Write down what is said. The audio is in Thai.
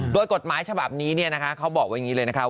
โดยกฎหมายฉบับนี้เขาบอกไว้อย่างนี้เลยนะคะ